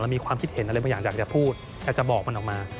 มีความคิดเห็นอะไรบางอย่างอยากจะพูดอยากจะบอกมันออกมา